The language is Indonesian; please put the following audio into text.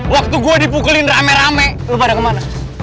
waktu gue dipukulin rame rame lo pada kemana